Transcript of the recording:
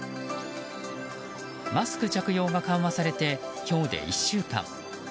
マスク着用が緩和されて今日で１週間。